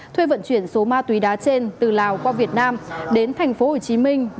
thuê vận chuyển số ma túy đá trên từ lào qua việt nam đến thành phố hồ chí minh